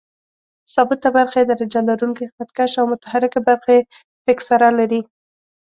ثابته برخه یې درجه لرونکی خط کش او متحرکه برخه یې فکسره لري.